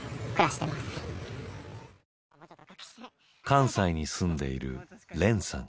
関西に住んでいる蓮さん。